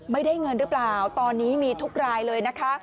ไม่ได้เงินหรือเปล่าตอนนี้มีทุกรายเลยนะคะ